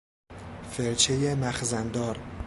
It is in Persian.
فرچه مخزن دار